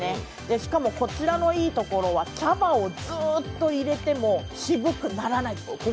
しかも、こちらのいいところは茶葉をずっと入れても渋くならない。